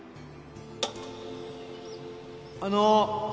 あの